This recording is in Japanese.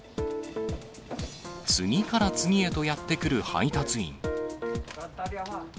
次から次へとやって来る配達員。